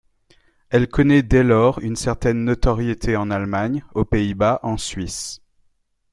Elle connait dès lors une certaine notoriété en Allemagne, aux Pays bas, en Suisse.